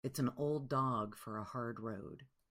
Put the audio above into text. It's an old dog for a hard road.